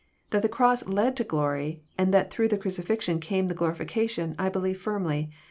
That the cross led to glory, and that through the crucifixion came the glorification, I believe firmly.